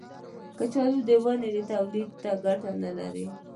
کچالو د وینې تولید ته ګټه لري.